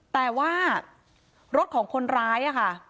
แต่ว่ารถของคนร้ายค่ะ